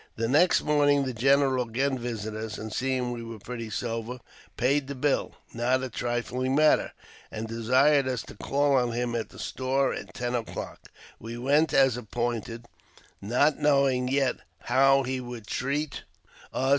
The next morning the general again visited us, and, seeing we were pretty sober, paid the bill (not a trifling matter), and desired us to call on him at the store at ten o'clock. We went as appointed, not knowing yet how he would treat us.